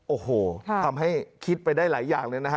โอ้โหทำให้คิดไปได้หลายอย่างเลยนะฮะ